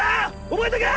覚えとけ！